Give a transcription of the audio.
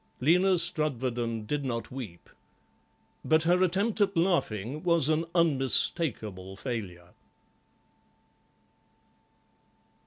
Lena Strudwarden did not weep, but her attempt at laughing was an unmistakable failure.